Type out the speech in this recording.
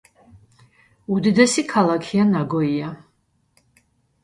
უდიდესი ქალაქია ნაგოია.